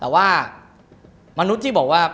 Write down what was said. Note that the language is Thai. แต่ว่ามนุษย์ที่บอกว่า